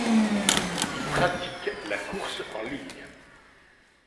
Il pratique la course en ligne.